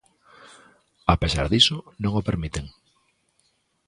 A pesar diso, non o permiten.